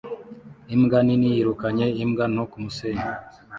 Imbwa nini yirukanye imbwa nto kumusenyi